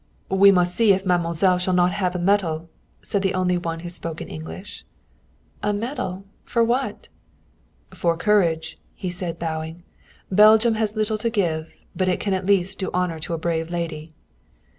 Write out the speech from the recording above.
"We must see if mademoiselle shall not have a medal," said the only one who spoke English. "A medal? For what?" "For courage," he said, bowing. "Belgium has little to give, but it can at least do honor to a brave lady."